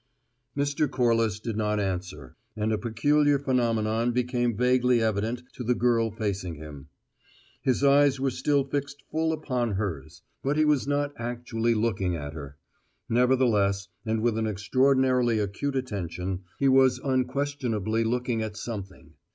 Mr. Corliss did not answer, and a peculiar phenomenon became vaguely evident to the girl facing him: his eyes were still fixed full upon hers, but he was not actually looking at her; nevertheless, and with an extraordinarily acute attention, he was unquestionably looking at something.